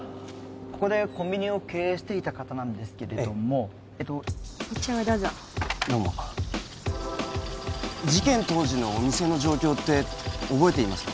ここでコンビニを経営していた方なんですけれどもお茶をどうぞどうも事件当時のお店の状況って覚えていますか？